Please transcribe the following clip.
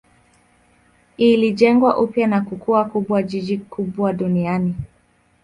Ilijengwa upya na kukua kuwa jiji kubwa duniani.